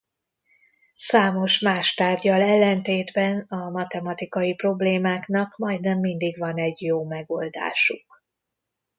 Számos más tárggyal ellentétben a matematikai problémáknak majdnem mindig van egy jó megoldásuk.